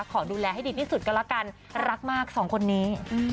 ขอดูแลให้ดีที่สุดก็แล้วกันรักมากสองคนนี้